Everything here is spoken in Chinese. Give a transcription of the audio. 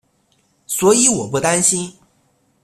所以我不担心